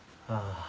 ああ。